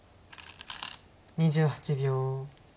２８秒。